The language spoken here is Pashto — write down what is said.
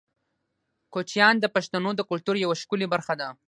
کوچیان د پښتنو د کلتور یوه ښکلې برخه ده.